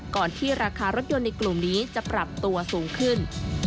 ก่อนที่ราคารถยนต์ในกลุ่มนี้จะปรับตัวสูงขึ้น